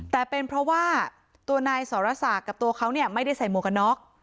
แต่เป็นเพราะว่าตัวนายสรสักกับตัวเขาไม่ได้ใส่หมวกนอก